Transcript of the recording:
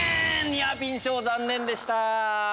ニアピン賞残念でした。